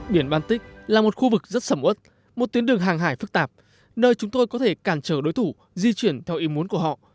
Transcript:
biển baltic là một khu vực rất sầm uất một tuyến đường hàng hải phức tạp nơi chúng tôi có thể cản trở đối thủ di chuyển theo ý muốn của họ